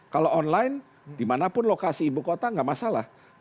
kalau online di mana pun lokasi ibu kota tidak masalah